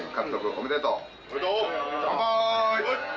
おめでとう。